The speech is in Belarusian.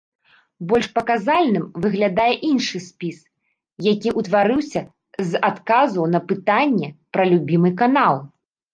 Больш паказальным выглядае іншы спіс, які ўтварыўся з адказаў на пытанне пра любімы канал.